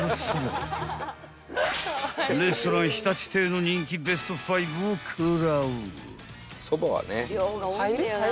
［レストラン常陸亭の人気ベスト５を食らう］